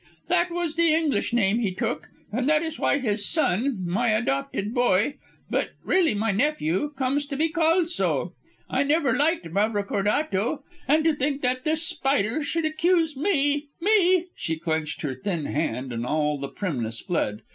"That was the English name he took, and that is why his son my adopted boy, but really my nephew comes to be called so. I never liked Mavrocordato, and to think that this Spider should accuse me me " She clenched her thin hand and all the primness fled.